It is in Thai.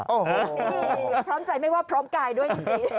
พี่พร้อมใจไม่ว่าพร้อมกายด้วยสิ